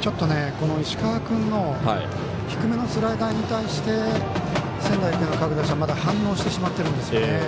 ちょっと石川君の低めのスライダーに対して仙台育英の各打者はまだ反応してしまってるんですね。